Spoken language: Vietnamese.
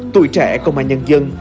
tuổi trẻ công an nhân dân